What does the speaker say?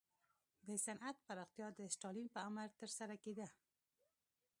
د صنعت پراختیا د ستالین په امر ترسره کېده